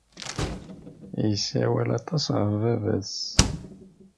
Yessawal aṭas ɣef baba-s.